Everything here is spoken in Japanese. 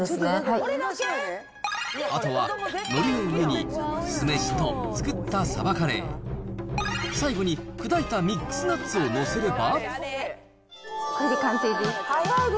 あとは、のりの上に酢飯と作ったサバカレー、最後に砕いたミックスナッツを載せれば。